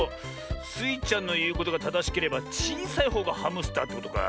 スイちゃんのいうことがただしければちいさいほうがハムスターってことか。